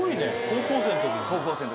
高校生のときに。